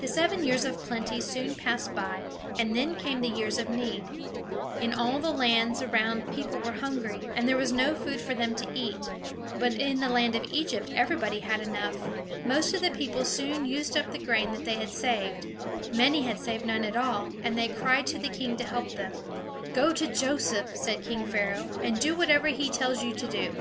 The seven years of plenty soon passed by, and then came the years of need. In all the lands around people were hungry, and there was no food for them to eat; but in the land of Egypt everybody had enough. Most of the people soon used up the grain that they had saved; many had saved none at all, and they all cried to the king to help them. "Go to Joseph!" said king Pharaoh, "and do whatever he tells you to do."